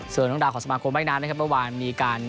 เสือหนุ่งดาของสมาคมไม่นานนะครับเมื่อวานมีการ